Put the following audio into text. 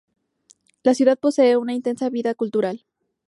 La ciudad posee una intensa vida cultural.